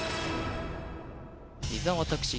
伊沢拓司